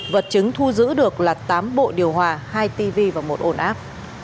vật chứng thu giữ được là tám bộ điều hòa hai tv và một ồn áp